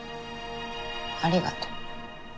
ありがと。